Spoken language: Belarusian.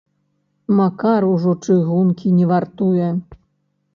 Макар ужо чыгункі не вартуе.